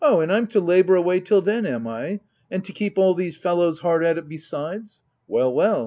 and I'm to labour away till then, am I ?— and to keep all these fellows hard at it besides — Well, well